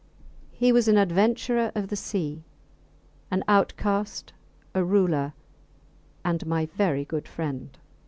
He was an adventurer of the sea, an outcast, a ruler and my very good friend.